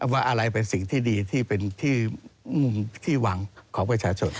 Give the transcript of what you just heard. ว่าอะไรเป็นสิ่งที่ดีที่เป็นที่หวังของประชาชน